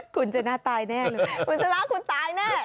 คุณชนะตายแน่หรือเปล่าคุณชนะคุณตายแน่